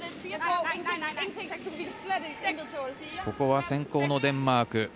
ここは先攻のデンマーク。